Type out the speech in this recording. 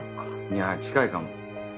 いや近いかも。